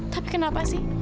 tapi kenapa sih